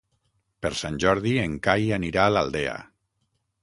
Per Sant Jordi en Cai anirà a l'Aldea.